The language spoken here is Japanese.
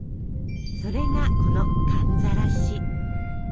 それがこの「寒ざらし」。